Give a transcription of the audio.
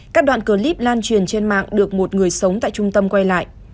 các đoạn clip lan truyền trên mạng được một người sống tại trung tâm quay lại